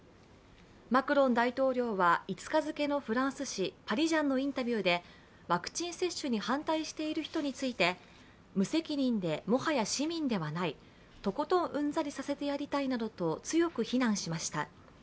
マクロン大統領は５日付のフランス紙「パリジャン」のインタビューでワクチン接種に反対している人について無責任でもはや市民ではないとことんうんざりさせてやりたいなどと強く非難しました。